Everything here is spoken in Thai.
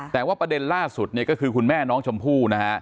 แต่ว่าประเด็นล่าสุดคือคุณแม่น้องชมพู่